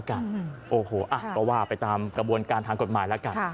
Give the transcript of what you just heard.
โอ้โหก็ว่าไปตามกระบวนการทางกฎหมายแล้วกัน